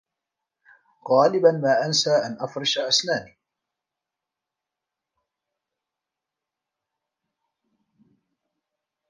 غالبا ما أنسى أن أفرش أسناني.